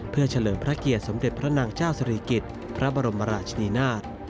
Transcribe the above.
เพื่อเฉลิมพระเกียรติสมเด็จพระนางเจ้าสรีกิจพระบรมราชนีนาฏ